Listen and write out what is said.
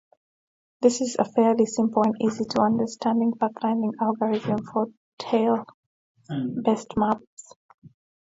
This is a fairly simple and easy-to-understand pathfinding algorithm for tile-based maps.